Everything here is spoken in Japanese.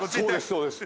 そうです